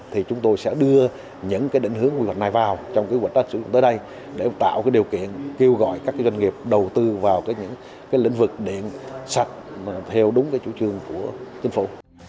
thì chúng tôi sẽ đưa những định hướng quy hoạch này vào trong kế hoạch sử dụng tới đây để tạo điều kiện kêu gọi các doanh nghiệp đầu tư vào những lĩnh vực điện sạch theo đúng cái chủ trương của chính phủ